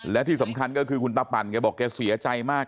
และที่สำคัญก็คือคุณตาปั่นแกบอกแกเสียใจมาก